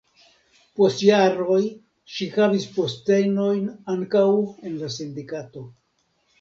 Post jaroj ŝi havis postenojn ankaŭ en la sindikato.